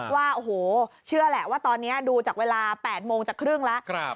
ว่าโอ้โหเชื่อแหละว่าตอนนี้ดูจากเวลา๘โมงจากครึ่งแล้ว